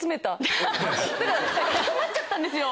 挟まっちゃったんですよ！